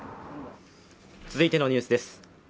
続いてのニュースです。